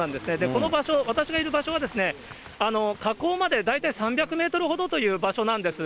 この場所、私がいる場所は、河口まで大体３００メートルほどという場所なんです。